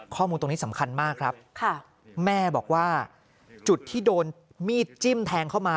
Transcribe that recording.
ข้อมูลตรงนี้สำคัญมากครับแม่บอกว่าจุดที่โดนมีดจิ้มแทงเข้ามา